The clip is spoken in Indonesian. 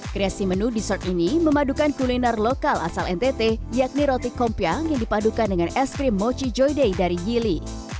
kreasi menu dessert ini memadukan kuliner lokal asal ntt yakni roti kompiang yang dipadukan dengan es krim mochi joy day dari yili